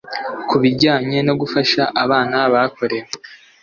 ku bijyanye no gufasha abana bakorewe